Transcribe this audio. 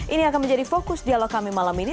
ini akan menjadi fokus dialog kami malam ini